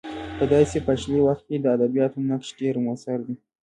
په داسې پاشلي وخت کې د ادبیاتو نقش ډېر موثر دی.